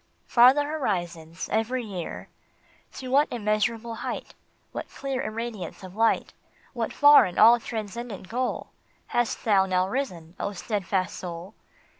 " Farther horizons every year !" To what immeasurable height, What clear irradiance of light, What far and all transcendent goal Hast thou now risen, O steadfast soul